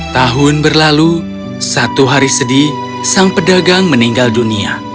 tahun berlalu satu hari sedih sang pedagang meninggal dunia